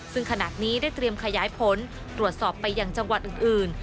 ซึ่งขณะนี้ได้เตรียมขยายผลตรวจสอบไปยังจังหวัดอื่น